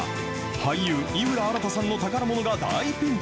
俳優、井浦新さんの宝ものが大ピンチ。